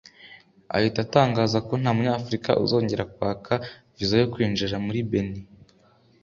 ahita atangaza ko nta Munyafurika uzongera kwakwa viza yo kwinjira muri Benin